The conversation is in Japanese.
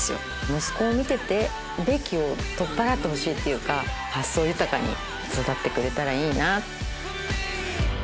息子を見てて「べき」を取っ払ってほしいっていうか発想豊かに育ってくれたらいいな。